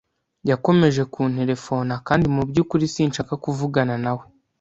Yakomeje kunterefona, kandi mu byukuri sinshaka kuvugana nawe.